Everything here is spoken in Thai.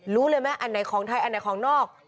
รู้เลยไหมอันไหนของไทยอันไหนของนอก